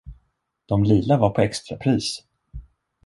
Dom lila var på extrapris!